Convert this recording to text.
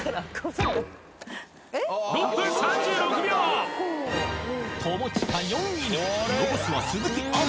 ６分３６秒友近４位に残すは鈴木亜美